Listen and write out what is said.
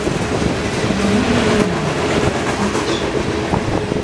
Но мӹнь довольна ылам. Такеш